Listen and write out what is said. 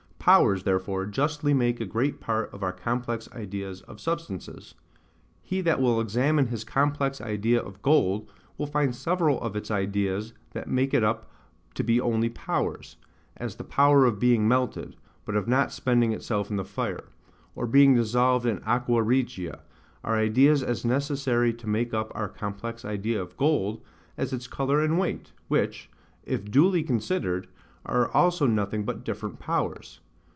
POWERS therefore justly make a great part of our complex ideas of substances. He that will examine his complex idea of gold, will find several of its ideas that make it up to be only powers; as the power of being melted, but of not spending itself in the fire; of being dissolved in AQUA REGIA, are ideas as necessary to make up our complex idea of gold, as its colour and weight: which, if duly considered, are also nothing but different powers.